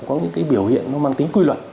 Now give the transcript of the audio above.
có những biểu hiện mang tính quy luật